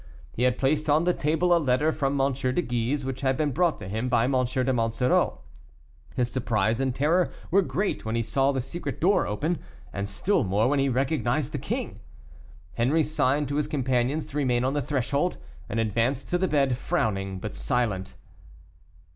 He had placed on the table a letter from M. de Guise, which had been brought to him by M. de Monsoreau. His surprise and terror were great when he saw the secret door open, and still more when he recognized the king. Henri signed to his companions to remain on the threshold, and advanced to the bed, frowning, but silent.